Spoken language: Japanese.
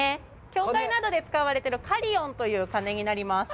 教会などで使われてる「カリヨン」という鐘になります。